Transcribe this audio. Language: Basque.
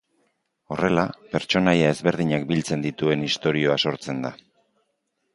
Horrela, pertsonaia ezberdinak biltzen dituen istorioa sortzen da.